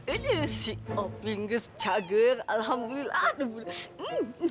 ini si opi nges jager alhamdulillah aduh boleh sih